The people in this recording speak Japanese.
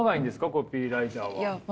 コピーライターは。